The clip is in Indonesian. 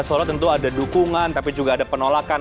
solo tentu ada dukungan tapi juga ada penolakan